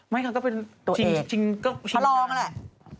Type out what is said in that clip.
ไม่ค่ะก็เป็นตัวเอกพระรองอะแหละ